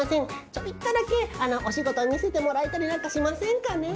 ちょびっとだけおしごとみせてもらえたりなんかしませんかねえ？